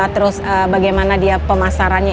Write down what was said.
terus bagaimana dia pemasarannya